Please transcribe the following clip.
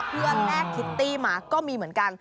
เพื่อแลกคิตตี้มาก็มีเหมือนกัน